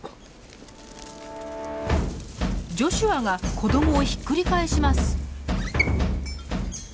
ジョシュアが子どもをひっくり返します。